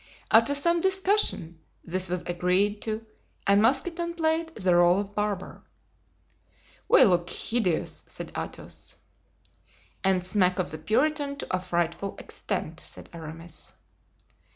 After some discussion this was agreed to and Mousqueton played the role of barber. "We look hideous," said Athos. "And smack of the Puritan to a frightful extent," said Aramis.